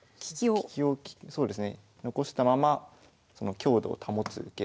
利きをそうですね残したままその「強度を保つ受け」。